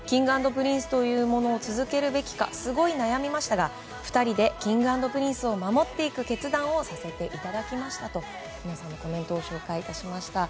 Ｋｉｎｇ＆Ｐｒｉｎｃｅというものを続けるべきかすごい悩みましたが２人でＫｉｎｇ＆Ｐｒｉｎｃｅを守っていく決断をさせていただきましたと皆さんのコメントを紹介いたしました。